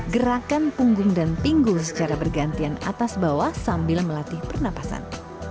gerakan punggung dan pinggul secara bergantian atas bawah sambil melatih pernapasan